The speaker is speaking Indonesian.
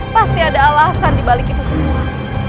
pasti ada alasan dibalik itu semua